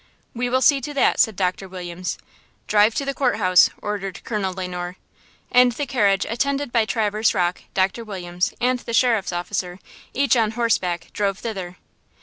"We will see to that," said Doctor Williams. "Drive to the Court House!" ordered Colonel Le Noir. And the carriage, attended by Traverse Rocke, Doctor Williams and the Sheriff's officer, each on horseback, drove thither.